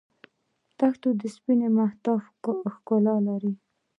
دښته د سپین مهتاب ښکلا لري.